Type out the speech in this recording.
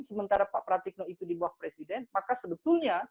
sementara pak pratikno itu di bawah presiden maka sebetulnya